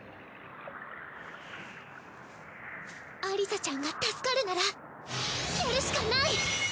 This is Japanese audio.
アリサちゃんが助かるならやるしかない！